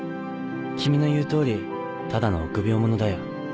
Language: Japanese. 君の言う通りただの臆病者だよ